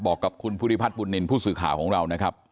บอกกับคุณภูริพัฒนบุญนินทร์ผู้สื่อข่าวของเรานะครับ